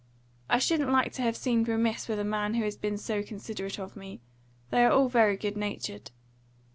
"I shouldn't like to have seemed remiss with a man who has been so considerate of me. They are all very good natured."